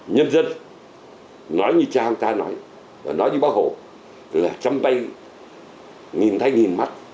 nhân dân nói như cha ông ta nói nói như bác hồ là trăm bay nghìn thay nghìn mắt